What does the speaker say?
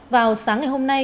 vào sáng ngày hôm nay